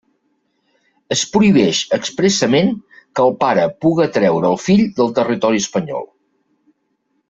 Es prohibix expressament que el pare puga traure el fill del territori espanyol.